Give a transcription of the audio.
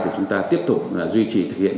chúng ta tiếp tục duy trì thực hiện